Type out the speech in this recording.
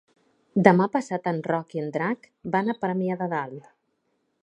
Demà passat en Roc i en Drac van a Premià de Dalt.